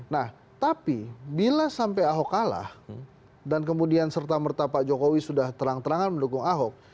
nah tapi bila sampai ahok kalah dan kemudian serta merta pak jokowi sudah terang terangan mendukung ahok